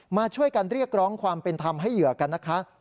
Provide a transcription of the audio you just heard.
มาช่วยกันเรียกร้องความเป็นธรรมให้เหยื่อกันนะคะ